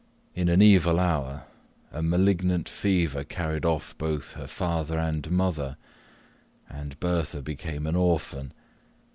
In an evil hour, a malignant fever carried off both her father and mother, and Bertha became an orphan.